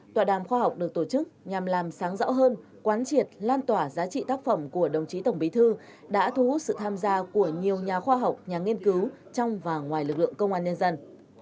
tọa đàm khoa học được tổ chức nhằm làm sáng rõ hơn quán triệt lan tỏa giá trị tác phẩm của đồng chí tổng bí thư đã thu hút sự tham gia của nhiều nhà khoa học nhà nghiên cứu trong và ngoài lực lượng công an nhân dân